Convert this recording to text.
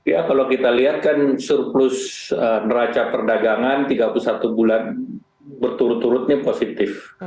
ya kalau kita lihat kan surplus neraca perdagangan tiga puluh satu bulan berturut turutnya positif